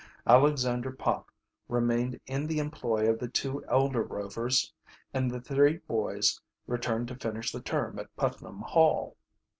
Alexander Pop remained in the employ of the two elder Rovers, and the three boys returned to finish the term at Putnam Hall.